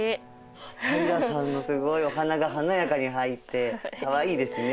平さんのすごいお花が華やかに入ってかわいいですね。